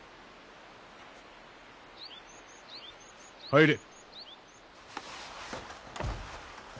入れ。